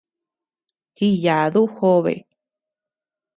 Jiyadu jobe.